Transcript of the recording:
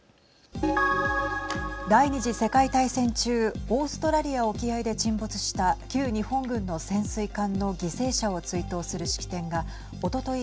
第２次世界大戦中オーストラリア沖合で沈没した旧日本軍の潜水艦の犠牲者を追悼する式典がおととい